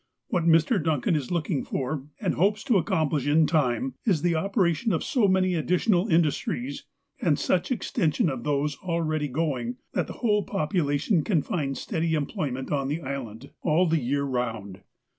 "What Mr. Duncan is looking for, and hopes to accomplish in time, is the operation of so many additional industries, and such extension of those already going, that the whole population can find steady employ ment on the island all the year round.